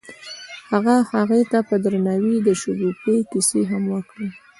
هغه هغې ته په درناوي د شګوفه کیسه هم وکړه.